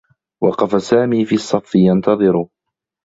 وقف سامي في الصّف، ينتظر.